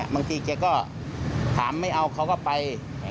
บางทีแกก็ถามไม่เอาเขาก็ไป